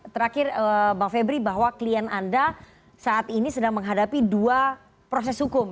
terakhir bang febri bahwa klien anda saat ini sedang menghadapi dua proses hukum